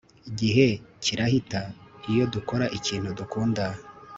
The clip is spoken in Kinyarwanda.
Igihe kirahita iyo dukora ikintu dukunda